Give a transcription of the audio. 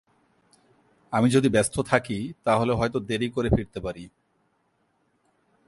আমি যদি ব্যস্ত থাকি তাহলে হয়ত দেরি করে ফিরতে পারি।